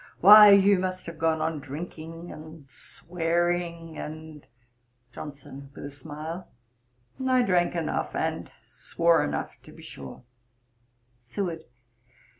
Why you must have gone on drinking, and swearing, and ' JOHNSON. (with a smile) 'I drank enough and swore enough, to be sure.' SEWARD.